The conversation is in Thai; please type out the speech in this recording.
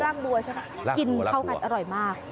รากบัวใช่ไหมครับกินเข้ากันอร่อยมาก